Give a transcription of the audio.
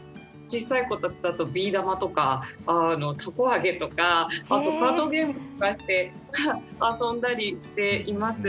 ちっさい子たちだとビー玉とかたこ揚げとかあとカードゲームとかで遊んだりしています。